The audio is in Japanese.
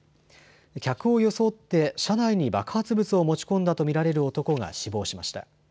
客を装って車内に爆発物を持ち込んだと見られる男が死亡しました。